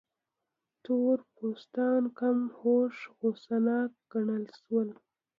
تور پوستان کم هوښ، غوسه ناک ګڼل شول.